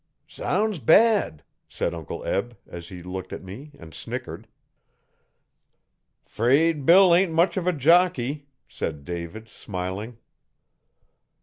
'Sounds bad,' said Uncle Eb, as he looked at me and snickered. ''Fraid Bill ain't much of a jockey,' said David, smiling.